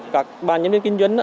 các bàn nhân viên kinh doanh